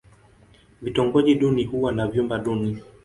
Vitongoji duni huwa na vyumba duni.